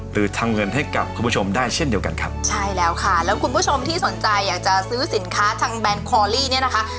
หรือทำเงินให้กับคุณผู้ชมได้เช่นเดียวกันครับใช่แล้วค่ะแล้วคุณผู้ชมที่สนใจอยากจะซื้อสินค้าทางแบรนดคอลลี่เนี่ยนะคะ